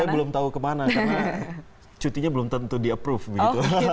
saya belum tahu kemana karena cutinya belum tentu di approve begitu